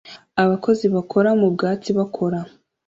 Abakozi bakora mu bwubatsi bakora